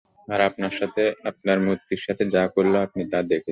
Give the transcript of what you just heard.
আর আপনার মূর্তির সাথে যা করল আপনি তা দেখছেন।